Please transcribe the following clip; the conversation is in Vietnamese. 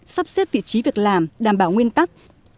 sắp xếp vị trí việc làm đảm bảo nguyên tắc